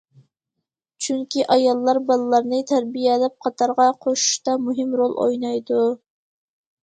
چۈنكى ئاياللار بالىلارنى تەربىيەلەپ قاتارغا قوشۇشتا مۇھىم رول ئوينايدۇ.